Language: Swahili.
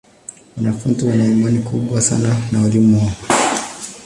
Wanafunzi wana imani kubwa sana na walimu wao.